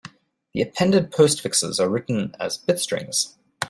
The appended postfixes are written as bit strings.